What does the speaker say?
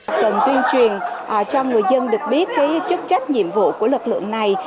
cần tuyên truyền cho người dân được biết chức trách nhiệm vụ của lực lượng này